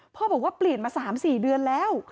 พ่อบอกว่าเปลี่ยนมา๓๔เดือนแล้ว